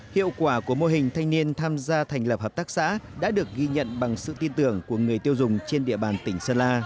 hiệu quả của mô hình thanh niên tham gia thành lập hợp tác xã đã được ghi nhận bằng sự tin tưởng của người tiêu dùng trên địa bàn tỉnh sơn la